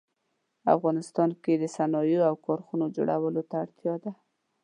افغانستان کې د صنایعو او کارخانو جوړولو ته اړتیا ده